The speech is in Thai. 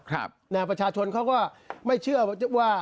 ประชาชนเขาก็ไม่เชื่อว่า